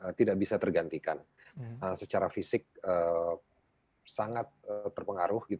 hal yang tidak bisa tergantikan secara fisik sangat terpengaruh